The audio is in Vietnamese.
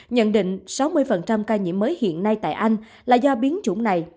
nhận định sáu mươi ca nhiễm mới hiện nay tại anh là do biến chủng này